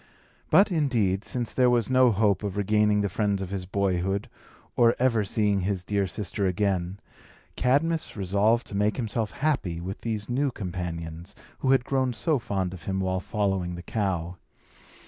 But, indeed, since there was no hope of regaining the friends of his boyhood, or ever seeing his dear sister again, Cadmus resolved to make himself happy with these new companions, who had grown so fond of him while following the cow.